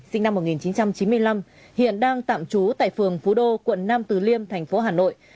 sinh năm một nghìn chín trăm chín mươi năm hiện đang tạm trú tại phường phú đô quận nam từ liêm thành phố hà nội